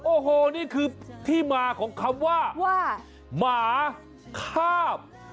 โอโหนี่คือที่มาของคำว่า